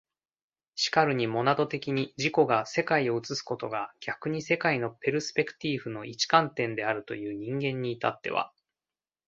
然るにモナド的に自己が世界を映すことが逆に世界のペルスペクティーフの一観点であるという人間に至っては、